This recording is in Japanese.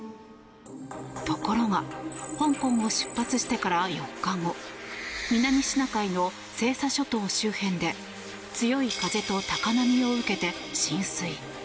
ところが、香港を出発してから４日後南シナ海の西沙諸島周辺で強い風と高波を受けて浸水。